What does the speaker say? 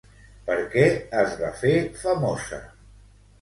Per què es va fer famosa?